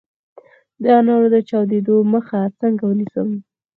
د انارو د چاودیدو مخه څنګه ونیسم؟